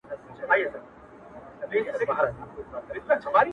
• هرشاعر په قصیدو کي وي ستایلی ,